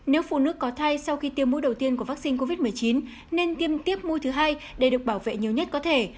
nếu phụ nữ có thai sau khi tiêm mũi đầu tiên của vaccine covid một mươi chín nên tiêm tiếp mũi thứ hai để được bảo vệ nhiều nhất có thể